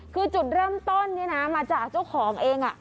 คือจุดเริ่มต้นเนี่ยนะมาจากเจ้าของเอง